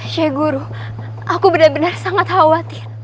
sheikh guru aku benar benar sangat khawatir